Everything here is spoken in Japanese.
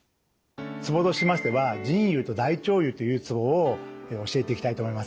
ツボとしましては腎兪と大腸兪というツボを教えていきたいと思います。